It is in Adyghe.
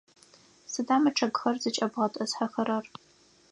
Сыда мы чъыгхэр зыкӏэбгъэтӏысхэрэр?